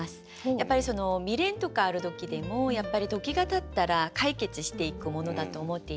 やっぱり未練とかある時でも時がたったら解決していくものだと思っていて。